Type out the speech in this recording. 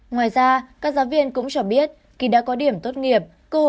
ngoài ra các giáo viên cũng cho biết kỳ đã có điểm tốt nghiệp